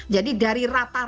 jadi dari rata ratanya